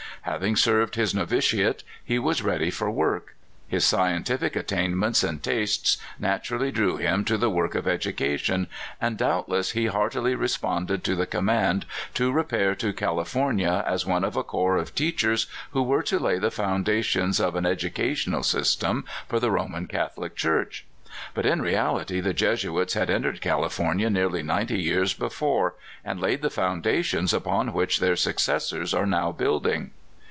Having served his no vitiate, he was ready for work. His scientific at tainments and tastes naturally drew him to the work of education, and doubtless he heartily re sponded to the command to repair to California as one of a corps of teachers who were to lay the foundations of an educational system for the Ro man Catholic Church. But in reality the Jesuits had entered California nearly ninety years before, and laid the foundations upon which their succes sors are now building.